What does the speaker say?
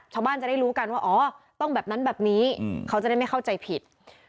ชาวบ้านจะได้รู้กันว่าอ๋อต้องแบบนั้นแบบนี้เขาจะได้ไม่เข้าใจผิด